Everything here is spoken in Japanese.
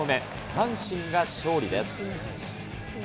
阪神が勝利です。